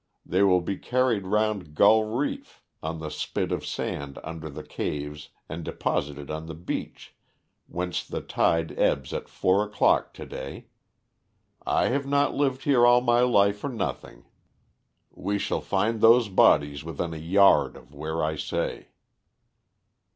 "They will be carried round Gull Reef on the spit of sand under the caves and deposited on the beach, whence the tide ebbs at four o'clock to day. I have not lived here all my life for nothing. We shall find those bodies within a yard of where I say."